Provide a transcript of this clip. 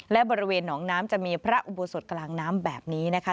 และบริเวณหนองน้ำจะมีพระอุโบสถกลางน้ำแบบนี้นะคะ